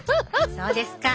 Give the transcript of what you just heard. そうですか。